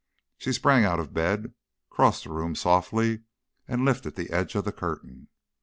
She sprang out of bed, crossed the room softly, and lifted the edge of the curtain.